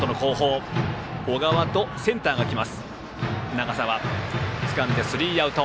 長澤つかんでスリーアウト。